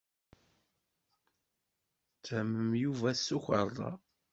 Ttehmen Yuba s tukerḍa.